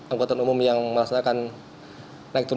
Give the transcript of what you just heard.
anggota umum yang merasakan naik